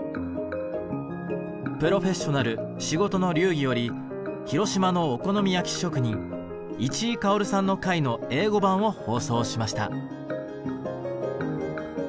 「プロフェッショナル仕事の流儀」より広島のお好み焼き職人市居馨さんの回の英語版を放送しました。